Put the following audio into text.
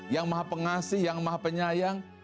yang maha pengasih yang maha penyayang